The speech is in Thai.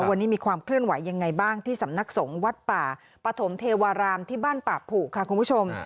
วันนี้มีความเคลื่อนไหวยังไงบ้างที่สำนักสงฆ์วัดป่าปฐมเทวารามที่บ้านป่าผูค่ะคุณผู้ชม